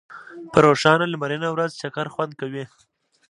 په روښانه لمرینه ورځ چکر خوند کوي.